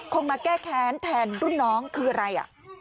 มาแก้แค้นแทนรุ่นน้องคืออะไร